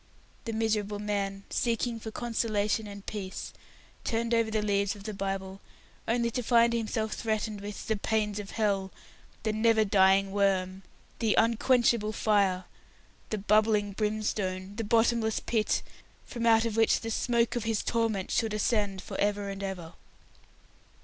The miserable man, seeking for consolation and peace, turned over the leaves of the Bible only to find himself threatened with "the pains of Hell", "the never dying worm", "the unquenchable fire", "the bubbling brimstone", the "bottomless pit", from out of which the "smoke of his torment" should ascend for ever and ever.